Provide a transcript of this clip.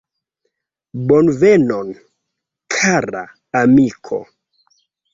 Bonvenon, kara amiko!